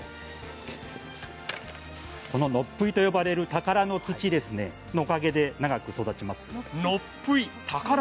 こののっぷいと呼ばれる宝の土のおかげで長く育ちます。